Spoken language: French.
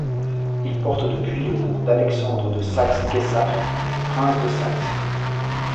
Il porte depuis le nom d'Alexandre de Saxe-Gessaphe, prince de Saxe.